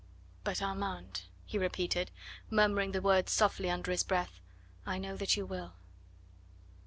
"But, Armand," he repeated, murmuring the words softly under his breath, "I know that you will."